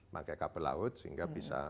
pakai kabel laut sehingga bisa